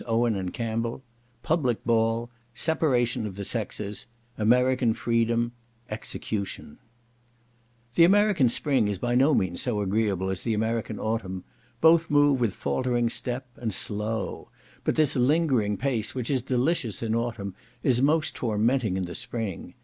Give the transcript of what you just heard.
Owen and Cambell—Public ball—Separation of the sexes—American freedom—Execution The American spring is by no means so agreeable as the American autumn; both move with faultering step, and slow; but this lingering pace, which is delicious in autumn, is most tormenting in the spring.